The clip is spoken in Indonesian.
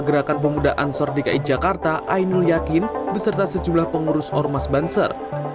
gerakan pemuda ansor dki jakarta ainul yakin beserta sejumlah pengurus ormas banser